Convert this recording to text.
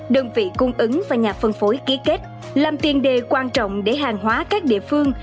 đơn vị cung ứng và nhà phân phối ký kết làm tiền đề quan trọng để hàng hóa các địa phương